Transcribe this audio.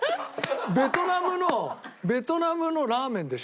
ベトナムのベトナムのラーメンでしょ？